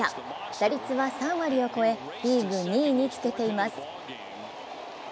打率は３割を超え、リーグ２位につけています。